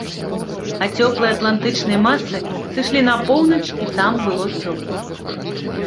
А цёплыя атлантычныя масы сышлі на поўнач і там было цёпла.